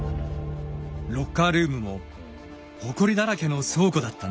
ロッカールームもほこりだらけの倉庫だったんです。